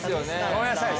ごめんなさい。